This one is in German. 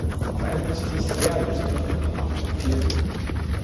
Am Ende ist es sehr lustig und macht viel Sinn.